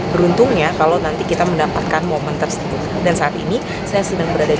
beruntungnya kalau nanti kita mendapatkan momen tersebut dan saat ini saya sedang berada di